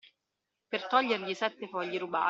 Per togliergli i sette fogli rubati.